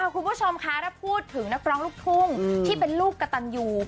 คุณผู้ชมคะถ้าพูดถึงนักร้องลูกทุ่งที่เป็นลูกกระตันยู